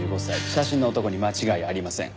写真の男に間違いありません。